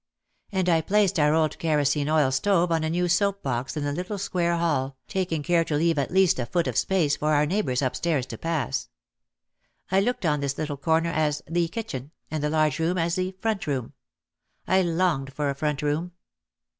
And I placed our old kerosene oil stove on a new soap box in the little square hall, taking care to leave at least a foot of space for our neighbours upstairs to pass. I looked on this little corner as "the kitchen" and the large room as the "front room." I longed for a front room!